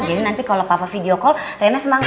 jadi nanti kalau papa video call rena semangat